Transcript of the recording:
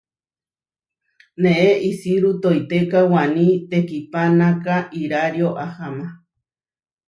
Neé isiru toitéka waní tekihpánaka irario ahama.